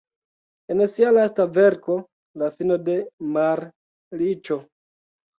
En sia lasta verko "La fino de malriĉo.